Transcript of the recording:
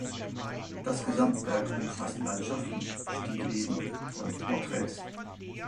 Das Gesamtwerk umfasst Landschaften, Stillleben und Porträts.